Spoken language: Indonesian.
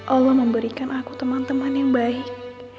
allah memberikan aku teman teman yang baik